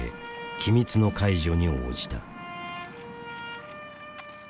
機密の解除に応じた。